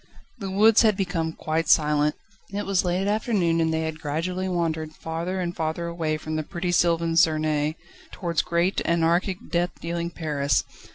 The woods had become quite silent. It was late afternoon, and they had gradually wandered farther and farther away from pretty sylvan Suresness, towards great, anarchic, deathdealing Paris.